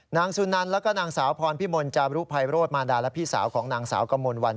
นางสุนันแล้วก็นางสาวพรพิมลจารุภัยโรธมารดาและพี่สาวของนางสาวกมลวัน